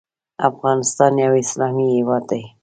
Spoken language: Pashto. افغانستان یو اسلامی هیواد دی .